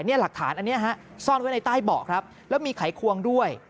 นี่หลักฐานอันนี้ฮะซ่อนไว้ในใต้เบาะครับแล้วมีไขควงด้วย